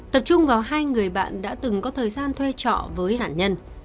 tập trung vào hai người bạn đã từng có thời gian thuê trọ với nạn nhân